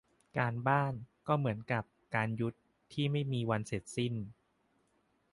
การบ้าน ก็เหมือนกับ การยุทธ์ ที่ไม่มีวันสิ้นเสร็จ